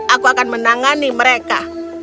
aku akan menangani mereka